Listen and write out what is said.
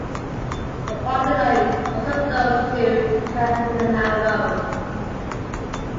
The parking lot is also close to Kan-nana Road.